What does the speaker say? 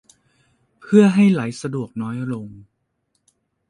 เพื่อให้ไหลสะดวกน้อยลง